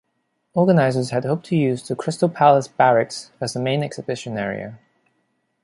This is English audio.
Organizers had hoped to use the Crystal Palace Barracks as the main exhibition area.